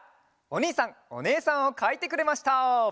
おにいさんおねえさんをかいてくれました！